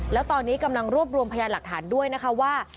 แล้วตอนนี้กำลังรวบรวมพยานหลักฐานด้วยนะคะว่า